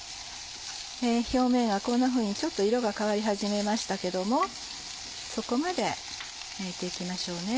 表面がこんなふうにちょっと色が変わり始めましたけどもそこまで焼いて行きましょうね。